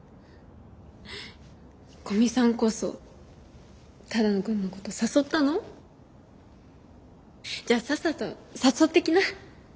古見さんこそ只野くんのこと誘ったの？じゃあさっさと誘ってきな。